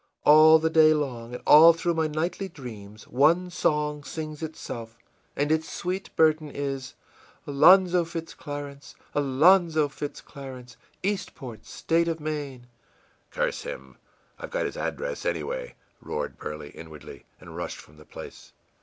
All the day long, and all through my nightly dreams, one song sings itself, and its sweet burden is, 'Alonzo Fitz Clarence, Alonzo Fitz Clarence, Eastport, state of Maine!'î ìCurse him, I've got his address, anyway!î roared Burley, inwardly, and rushed from the place.